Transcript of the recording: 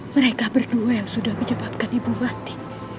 mereka berdua yang sudah menyebabkan ibu mati